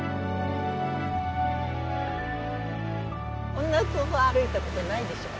こんなとこ歩いたことないでしょう？